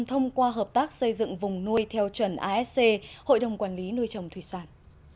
thông qua hợp tác xây dựng vùng nuôi theo chuẩn asc hội đồng quản lý nuôi trồng thủy sản